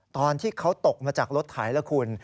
ตอนที่เขาตกมาจากรถไถแล้วคุณ